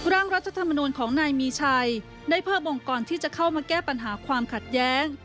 ร่างรัฐธรรมนูลของนายมีชัยได้เพิ่มองค์กรที่จะเข้ามาแก้ปัญหาความขัดแย้ง